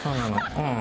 うん。